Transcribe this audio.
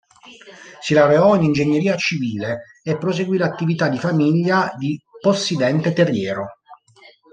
Si laureò in ingegneria civile e proseguì l'attività di famiglia di possidente terriero.